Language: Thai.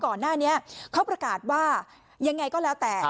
ก่อนหน้านี้เขาประกาศว่ายังไงก็แล้วแต่